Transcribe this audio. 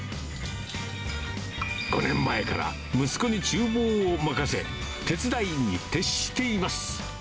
５年前から息子にちゅう房を任せ、手伝いに徹しています。